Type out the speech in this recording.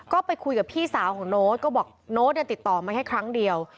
ก็ไปคุยกับพี่สาวของโน้ตก็บอกโน้ตติดต่อมาแค่ครั้งเดียว